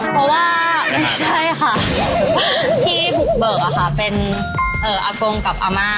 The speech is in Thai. เพราะว่าไม่ใช่ค่ะที่บุกเบิกเป็นอากงกับอาม่า